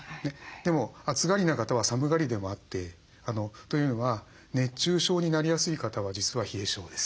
でも暑がりな方は寒がりでもあってというのは熱中症になりやすい方は実は冷え症です。